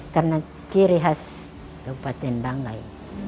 karena ciri khas kabupaten banggai